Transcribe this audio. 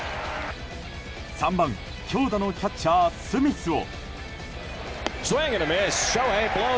３番、強打のキャッチャースミスを。